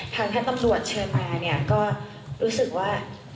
ทางแท่นตำรวจเชิญมาก็รู้สึกว่า